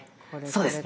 そうです。